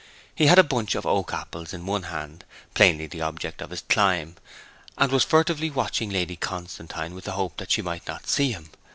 He had a bunch of oak apples in one hand, plainly the object of his climb, and was furtively watching Lady Constantine with the hope that she might not see him.